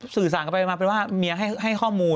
สื่อสั่งก็ไปกันเป็นว่าเมียให้ข้อมูล